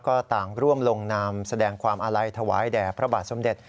ก็ต่างร่วมลงนามแสดงความอาลัยถวายแด่พระบาทสมเด็จ